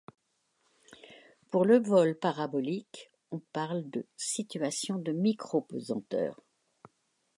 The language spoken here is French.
Pour le vol parabolique, on parle de situation de micropesanteur.